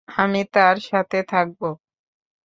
আমি তার সাথে থাকব।